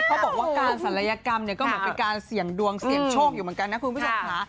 เขาบอกว่าการศัลยกรรมเนี่ยก็เหมือนเป็นการเสี่ยงดวงเสี่ยงโชคอยู่เหมือนกันนะคุณผู้ชมค่ะ